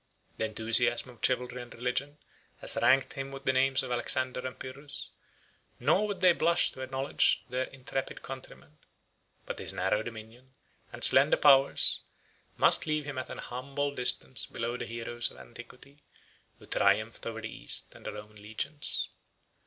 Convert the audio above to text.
The enthusiasm of chivalry and religion has ranked him with the names of Alexander and Pyrrhus; nor would they blush to acknowledge their intrepid countryman: but his narrow dominion, and slender powers, must leave him at an humble distance below the heroes of antiquity, who triumphed over the East and the Roman legions.